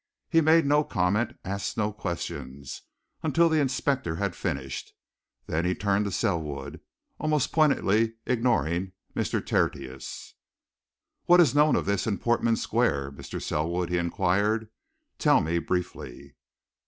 He made no comment, asked no questions, until the inspector had finished; then he turned to Selwood, almost pointedly ignoring Mr. Tertius. "What is known of this in Portman Square, Mr. Selwood?" he inquired. "Tell me, briefly."